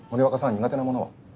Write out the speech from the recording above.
苦手なものは？